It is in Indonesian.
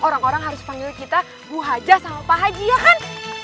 orang orang harus panggil kita bu hajah sama pak haji ya kan